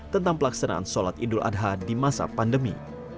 tentang pelaksanaan sholat idul adha di masa pandemi